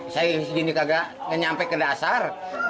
saya segini kagak nyampe ke dasar